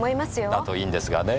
だといいんですがねぇ。